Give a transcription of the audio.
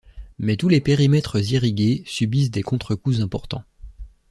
Mais tous les périmètres irrigués subissent des contrecoups importants.